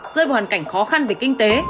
rơi vào hoàn cảnh khó khăn về kinh tế